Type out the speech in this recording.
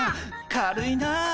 軽いな。